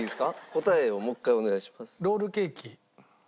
答えをもう一回お願いします。